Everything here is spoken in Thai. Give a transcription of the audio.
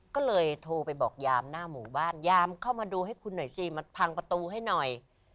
ก็เลยโทรไปบอกยามหน้าหมู่บ้านยามเข้ามาดูให้คุณหน่อยสิมาพังประตูให้หน่อย